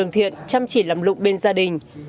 đồng thiện chăm chỉ làm lụng bên gia đình